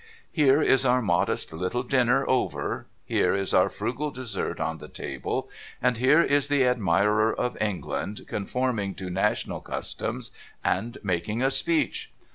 Here is our modest Httle dinner over, here is our frugal dessert on the table, and here is the admirer of England conforming to national customs, and making a speech